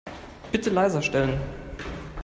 Bitte leiser stellen.